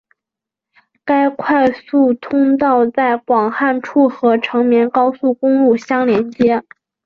该快速通道在广汉处和成绵高速公路相连接。